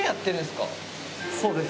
そうです。